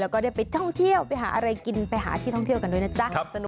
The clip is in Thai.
แล้วก็ได้ไปท่องเที่ยวไปหาอะไรกินไปหาที่ท่องเที่ยวกันด้วยนะจ๊ะ